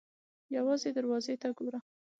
_ يوازې دروازې ته ګوره!